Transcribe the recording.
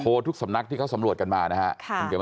ทุกสำนักที่เขาสำรวจกันมานะครับ